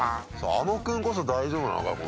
あの君こそ大丈夫なのか？